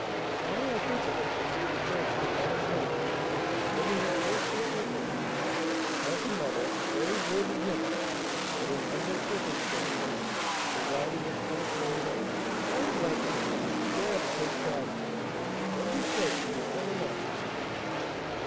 Now I think of it, there is a person of my acquaintance, living at Port St. Nicolas, has a mother, a very worthy woman, but in humble circumstances, residing at St. Mandé: very likely she would be glad to take charge of you. What do you say, will you come or not?"